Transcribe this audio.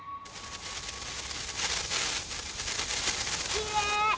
きれい！